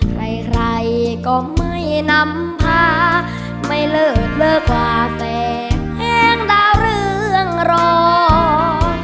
ใครก็ไม่นำพาไม่เลิกเลิกขวาแสงดาวเรืองรอง